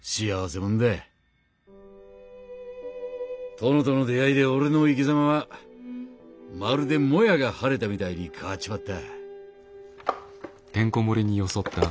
殿との出会いで俺の生きざまはまるでもやが晴れたみたいに変わっちまった」。